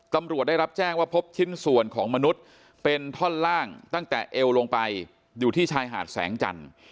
ตำรวจได้รับแจ้งว่าพบชิ้นส่วนของมนุษย์เป็นท่อนล่างตั้งแต่เอวลงไปอยู่ที่ชายหาดแสงจันทร์